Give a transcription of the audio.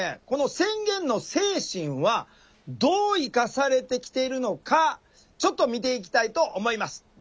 この宣言の精神はどう生かされてきているのかちょっと見ていきたいと思います。